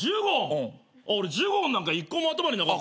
俺ジュゴンなんか１個も頭になかった。